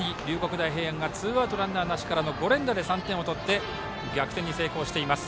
大平安がツーアウトランナーなしから５連打で３点を取って逆転に成功しています。